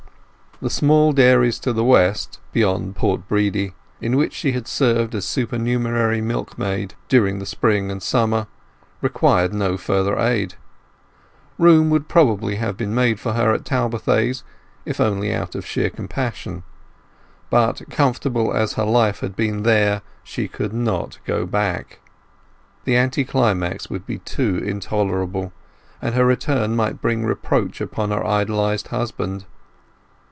The small dairies to the west, beyond Port Bredy, in which she had served as supernumerary milkmaid during the spring and summer required no further aid. Room would probably have been made for her at Talbothays, if only out of sheer compassion; but comfortable as her life had been there, she could not go back. The anti climax would be too intolerable; and her return might bring reproach upon her idolized husband.